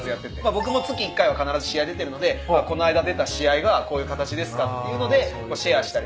僕も月１回は必ず試合出てるのでこの間出た試合はこういう形ですかっていうのでシェアしたり。